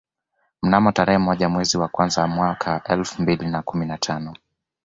Mnamo tarehe moja mwezi wa kwanza mwaka elfu mbili na kumi na tano